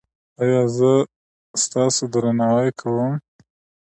ایا زه ستاسو درناوی کوم؟